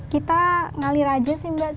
kita ngalir aja sih mbak